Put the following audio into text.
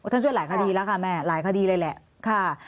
ช่วยหลายคดีแล้วค่ะแม่หลายคดีเลยแหละค่ะ